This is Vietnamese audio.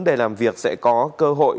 để làm việc sẽ có cơ hội